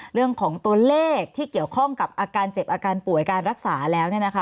เรื่องของตัวเลขที่เกี่ยวข้องกับอาการเจ็บอาการป่วยการรักษาแล้ว